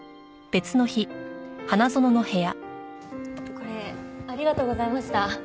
これありがとうございました。